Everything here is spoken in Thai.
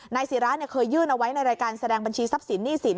ศิราเคยยื่นเอาไว้ในรายการแสดงบัญชีทรัพย์สินหนี้สิน